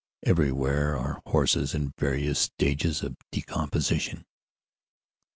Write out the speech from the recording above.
Every where are horses in various stages of decomposition.